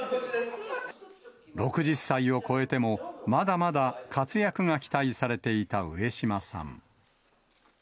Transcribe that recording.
６０歳を超えても、まだまだ活躍が期待されていた上島さん。